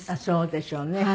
そうでしょうね。